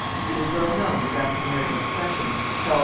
It is well known that after Mary's accession, Charles V.